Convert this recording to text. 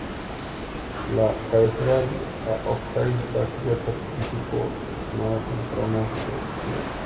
La cabecera o ábside está cubierta por un típico artesonado con tramos de tirantes.